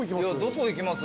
どこ行きます？